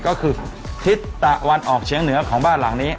ก็คือทิศตะวันออกเชียงเหนือของบ้านหลังนี้